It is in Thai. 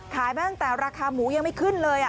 มาตั้งแต่ราคาหมูยังไม่ขึ้นเลย